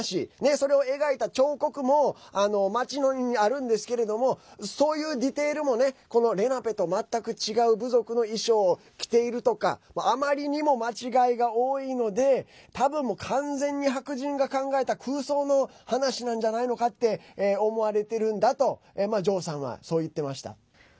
それを描いた彫刻も町にあるんですけれどもそういうディテールもレナペと全く違う部族の衣装を着ているとかあまりにも間違いが多いのでたぶん、完全に白人が考えた空想の話なんじゃないのかって思われてるんだとジョーさんは、そう言ってました。